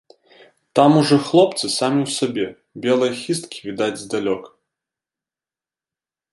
Там ужо хлопцы самі ў сабе, белыя хісткі відаць здалёк.